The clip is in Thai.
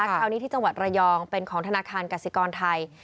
คราวนี้ที่จังหวัดระยองเป็นของธนาคารกสิกรไทย